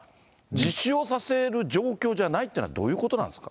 自首をさせる状況ではないってどういうことなんですか。